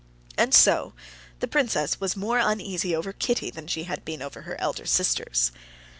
And so the princess was more uneasy over Kitty than she had been over her elder sisters.